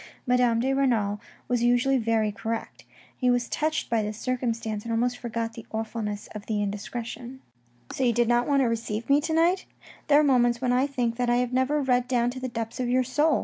Madame de Renal was usually very correct. He was touched by this circumstance, and somewhat forgot the awfulness of the indiscretion. " So you did not want to receive me to night ? There are moments when I think that I have never read down to the depths of your soul.